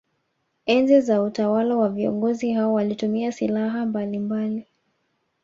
Enzi za utawala wa viongozi hao walitumia silaha mbalimbali